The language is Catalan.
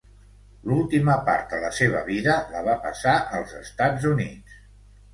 L'última part de la seva vida la va passar als Estats Units.